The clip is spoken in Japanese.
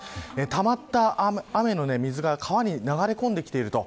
たまった雨の水が川に流れ込んできていると。